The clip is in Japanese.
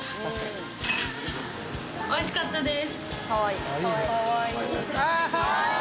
美味しかったです！